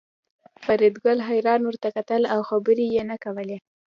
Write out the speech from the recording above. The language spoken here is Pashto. فریدګل حیران ورته کتل او خبرې یې نه کولې